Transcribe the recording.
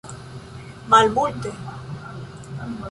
malmulte